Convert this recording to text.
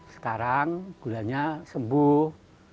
sekarang gulanya sembuh